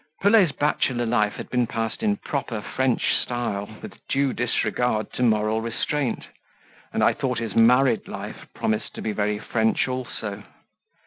Pelet's bachelor's life had been passed in proper French style with due disregard to moral restraint, and I thought his married life promised to be very French also.